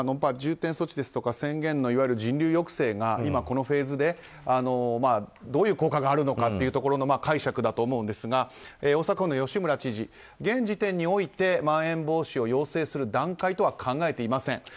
重点措置や宣言の人流抑制が今、このフェーズでどういう効果があるのかの解釈だと思うんですが大阪府の吉村知事現時点においてまん延防止を要請する段階とは考えていません。